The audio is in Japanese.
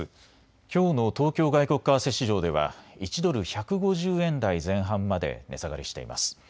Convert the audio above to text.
きょうの東京外国為替市場では１ドル１５０円台前半まで値下がりしています。